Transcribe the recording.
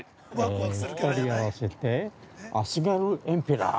２人合わせて、足軽エンペラー。